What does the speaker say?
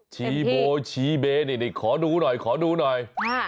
ชีโบชีเบนขอดูหน่อย